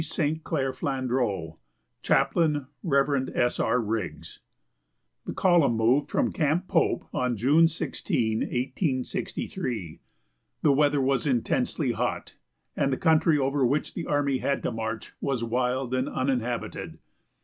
St. Clair Flandrau, Chaplain, Rev. S. R. Riggs. The column moved from Camp Pope on June 16, 1863. The weather was intensely hot, and the country over which the army had to march was wild and uninhabited.